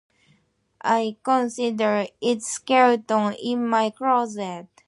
I consider it a skeleton in my closet.